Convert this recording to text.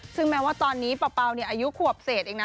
ซึ่งแม้ว่าตอนนี้เป่าอายุขวบเศษเองนะ